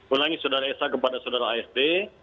ulangi saudara sa kepada saudara asb